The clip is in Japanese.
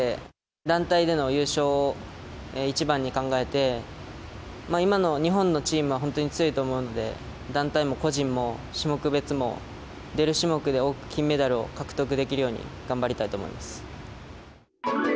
団体での優勝を一番に考えて、今の日本のチームは本当に強いと思うので、団体も個人も種目別も、出る種目で金メダルを獲得できるように、頑張りたいと思います。